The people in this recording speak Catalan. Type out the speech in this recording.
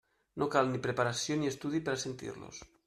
No cal ni preparació ni estudi per a sentir-los.